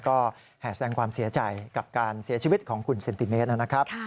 ก็แห่แสดงความเสียใจกับการเสียชีวิตของคุณเซนติเมตรนะครับ